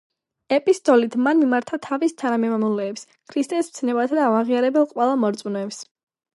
ეპისტოლით მან მიმართა თავის თანამემამულეებს, ქრისტეს მცნებათა ამღიარებელ ყველა მორწმუნეებს.